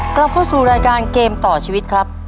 กลับเข้าสู่รายการเกมต่อชีวิตครับ